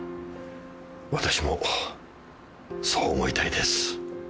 私もそう思いたいです。